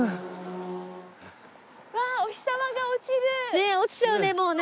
ねっ落ちちゃうねもうね。